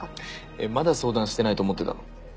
えっまだ相談してないと思ってたの？